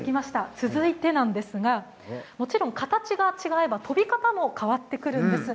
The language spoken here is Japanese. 続いてはもちろん形が違えば飛び方も変わってくるんです。